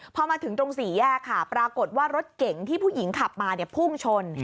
พอมาถึงตรงสี่แยกค่ะปรากฏว่ารถเก๋งที่ผู้หญิงขับมาพุ่งชน